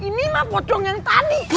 ini mah pocong yang tadi